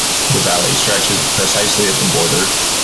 The valley stretches precisely at the border.